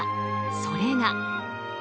それが。